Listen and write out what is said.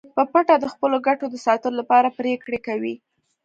په پټه د خپلو ګټو د ساتلو لپاره پریکړې کوي